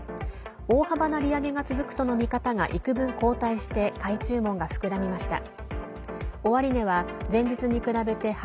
大幅な利上げが続くとの見方がいくぶん後退して買い注文が膨らみました。